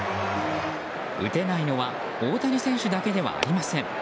打てないのは大谷選手だけではありません。